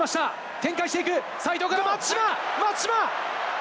展開していく、齋藤から松島、松島！